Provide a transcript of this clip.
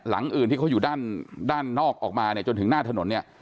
หลังอื่นที่เขาอยู่ด้านด้านนอกออกมาเนี่ยจนถึงหน้าถนนเนี่ย